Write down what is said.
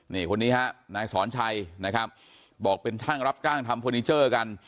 นี่คนนี้ฮะนายสอนชัยนะครับบอกเป็นช่างรับจ้างทำเฟอร์นิเจอร์กัน